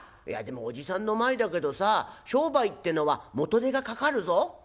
いやでもおじさんの前だけどさ商売ってのは元手がかかるぞ」。